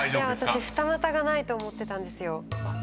私「ふたまた」がないと思ってたんですよ。